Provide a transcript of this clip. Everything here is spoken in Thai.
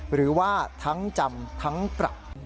หรือว่าทั้งจำทั้งปรับ